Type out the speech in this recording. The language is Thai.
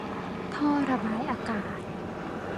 ท่อระบายอากาศ